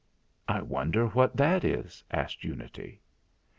"I wonder what that is ?" asked Unity.